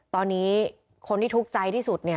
ตอนนี้คนที่ทุกข์ใจที่สุด